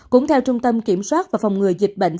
cũng theo trung tâm kiểm soát và phòng ngừa dịch bệnh